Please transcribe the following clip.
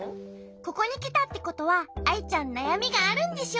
ここにきたってことはアイちゃんなやみがあるんでしょ？